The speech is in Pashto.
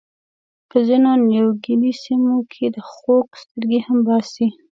په ځینو نیوګیني سیمو کې د خوک سترګې هم باسي.